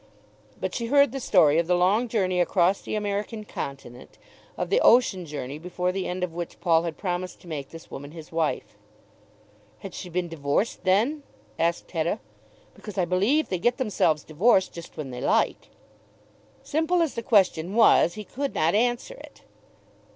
But she heard the story of the long journey across the American continent, of the ocean journey before the end of which Paul had promised to make this woman his wife. "Had she been divorced then?" asked Hetta, "because I believe they get themselves divorced just when they like." Simple as the question was he could not answer it.